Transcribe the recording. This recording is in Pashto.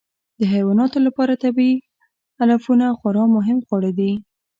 د حیواناتو لپاره طبیعي علفونه خورا مهم خواړه دي.